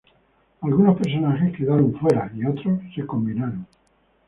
Algunos personajes quedaron fuera, y otros se combinaron.